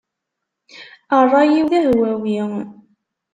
Ṛṛay-iw d ahwawi.